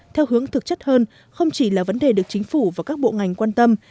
theo hướng thực chất hơn không chỉ là vấn đề được chính phủ và các bộ ngành quan tâm